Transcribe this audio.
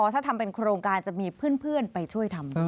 ถ้าทำเป็นโครงการจะมีเพื่อนไปช่วยทำ